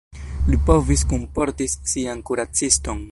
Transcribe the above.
Li povis kunportis sian kuraciston.